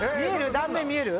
断面見える？